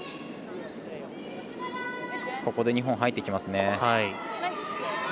ここで日本、入ってきますね。